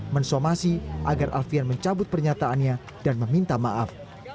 mensomasi agar alfian mencabut pernyataannya dan meminta maaf